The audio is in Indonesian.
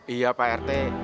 iya pak rete